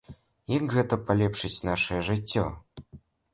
Як гэта палепшыць нашае жыццё?